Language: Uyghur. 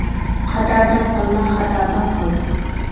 قاتاردىن قالما، خاتادىن قال.